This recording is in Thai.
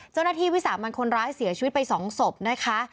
เจ้าหน้าที่วิสาบมันคนร้ายเสียชีวิตไปสองศพนะคะ